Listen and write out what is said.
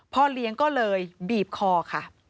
พ่อเลี้ยงก็เลยบีบคอค่ะ